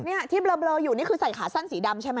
นี่ที่เบลออยู่นี่คือใส่ขาสั้นสีดำใช่ไหม